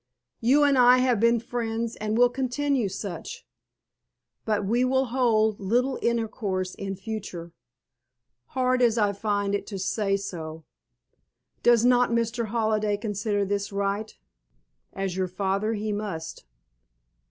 You and I have been friends and will continue such, but we will hold little intercourse in future, hard as I find it to say so. Does not Mr. Halliday consider this right? As your father he must."